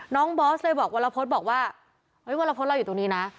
บอสเลยบอกวรพฤษบอกว่าเฮ้ยวรพฤษเราอยู่ตรงนี้นะ